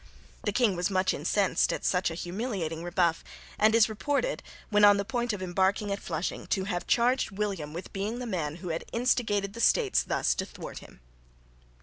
The king was much incensed at such a humiliating rebuff and is reported, when on the point of embarking at Flushing, to have charged William with being the man who had instigated the States thus to thwart him.